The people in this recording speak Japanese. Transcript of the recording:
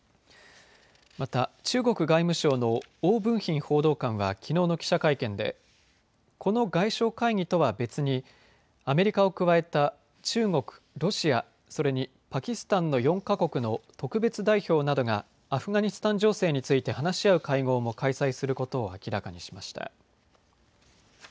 また中国外務省の汪文斌報道官はきのうの記者会見でこの外相会議とは別にアメリカを加えた中国、ロシア、それにパキスタンの４か国の特別代表などがアフガニスタン情勢について話し合う会合も開催することを明らかにしました。